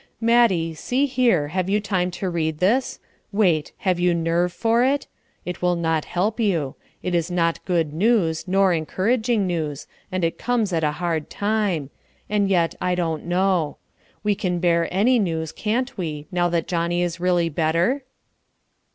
"Mattie, see here, have you time to read this? Wait! Have you nerve for it? It will not help you. It is not good news nor encouraging news, and it comes at a hard time; and yet I don't know. We can bear any news, can't we, now that Johnnie is really better?"